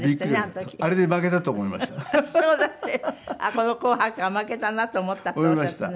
「この『紅白』は負けたなと思った」っておっしゃってね。